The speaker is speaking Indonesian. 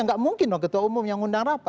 tidak mungkin dong ketua umum yang undang rapat